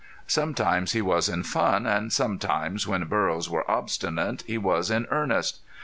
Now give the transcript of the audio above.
Sometimes he was in fun and sometimes, when burros were obstinate, he was in earnest.